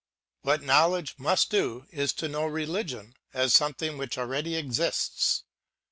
What knowledge must do is to know religion as some thing which already exists.